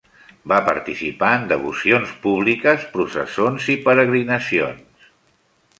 Va participar en devocions públiques, processons i peregrinacions.